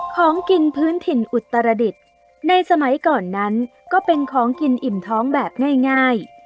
ของกินพื้นถิ่นอุตรดิษฐ์ในสมัยก่อนนั้นก็เป็นของกินอิ่มท้องแบบง่าย